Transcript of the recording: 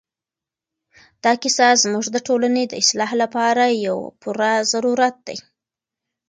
دا کیسه زموږ د ټولنې د اصلاح لپاره یو پوره ضرورت دی.